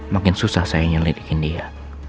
makin susah saya ingin lidikin dia